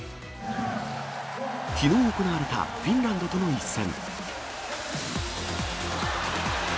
きのう行われたフィンランドとの一戦。